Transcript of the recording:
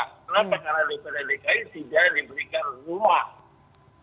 kenapa karena dpi dki tidak diberikan rumah